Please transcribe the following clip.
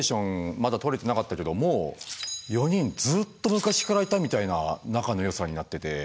まだ取れてなかったけどもう４人ずっと昔からいたみたいな仲の良さになってて。